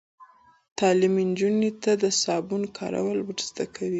تعلیم نجونو ته د صابون کارول ور زده کوي.